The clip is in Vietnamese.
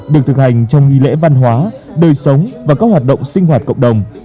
được thực hành trong nghi lễ văn hóa đời sống và các hoạt động sinh hoạt cộng đồng